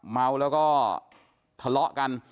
เมาแล้วก็ทะเลาะกัน